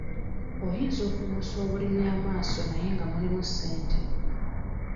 Oyinza okubuusa obulimi amaaso naye nga mulimu ssente.